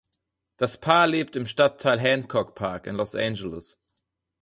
Das Paar lebt im Stadtteil Hancock Park in Los Angeles.